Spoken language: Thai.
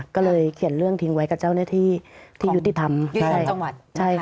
ก็เลยเขียนเรื่องทิ้งไว้กับเจ้าหน้าที่ยุติธรรมยุติธรรมจังหวัด